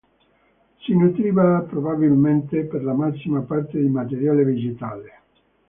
Si nutriva probabilmente per la massima parte di materiale vegetale.